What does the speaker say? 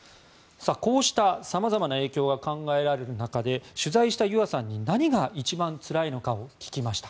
こうした様々な影響が考えられる中で取材したゆあさんに何が一番つらいのかを聞きました。